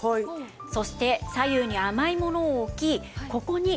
そして左右に甘いものを置きここにアリを放します。